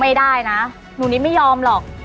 ไม่ได้นะหนูนิดไม่ยอมหรอก